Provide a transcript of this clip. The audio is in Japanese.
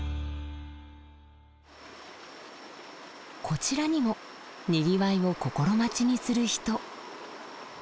こちらにもにぎわいを心待ちにする人。